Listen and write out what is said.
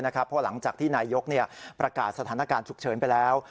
เพราะหลังจากที่นายกประกาศสถานการณ์ฉุกเฉินไปแล้ว